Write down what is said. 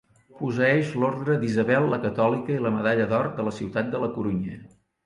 Posseeix l'Orde d'Isabel la Catòlica i la Medalla d'Or de la ciutat de La Corunya.